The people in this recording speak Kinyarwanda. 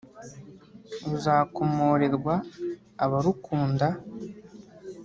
ruzakomorerwa abarukunda